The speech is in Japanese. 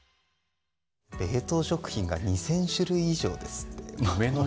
冷凍食品が２０００種類以上ですって。